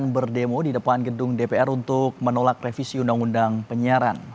berdemo di depan gedung dpr untuk menolak revisi undang undang penyiaran